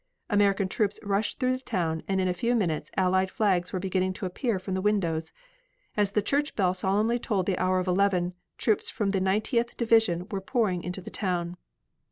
American troops rushed through the town and in a few minutes Allied flags were beginning to appear from the windows. As the church bell solemnly tolled the hour of eleven, troops from the Ninetieth division were pouring into the town.